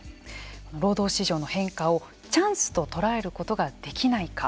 労働市場の変化をチャンスと捉えることができないか。